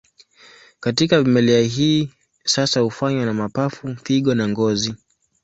Katika vimelea hii hasa hufanywa na mapafu, figo na ngozi.